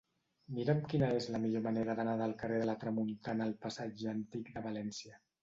Mira'm quina és la millor manera d'anar del carrer de la Tramuntana al passatge Antic de València.